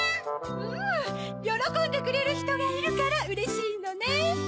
うんよろこんでくれるひとがいるからうれしいのね。